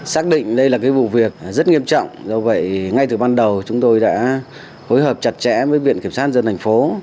sắc định đây là vụ việc rất nghiêm trọng do vậy ngay từ ban đầu chúng tôi đã hối hợp chặt chẽ với viện kiểm soát dân thành phố